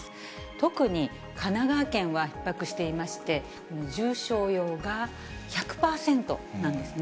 特に神奈川県はひっ迫していまして、重症用が１００％なんですね。